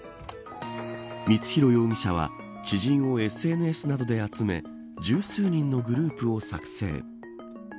光弘容疑者は知人をＳＮＳなどで集め十数人のグループを作成。